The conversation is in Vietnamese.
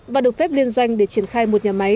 và được phép liên doanh để triển khai một nhà máy